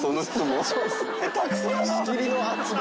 仕切りの圧が。